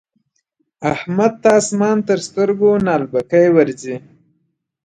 احمد ته اسمان تر سترګو نعلبکی ورځي.